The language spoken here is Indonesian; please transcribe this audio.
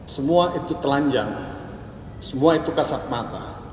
semua itu telanjang semua itu kasat mata